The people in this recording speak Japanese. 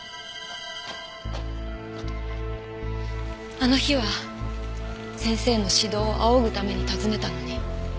あの日は先生の指導を仰ぐために訪ねたのに。